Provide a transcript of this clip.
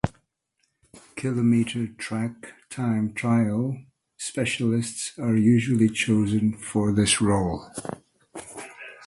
Kilometre track time trial specialists are usually chosen for this role.